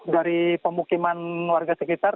dari pemukiman warga sekitar